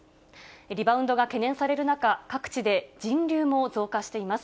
リバウンドが懸念される中、各地で人流も増加しています。